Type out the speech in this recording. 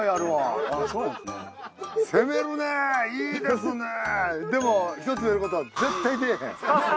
攻めるねいいですねぇ。